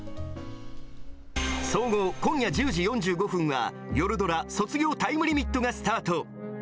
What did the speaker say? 総合今夜１０時４５分は、夜ドラ・卒業タイムリミットがスタート。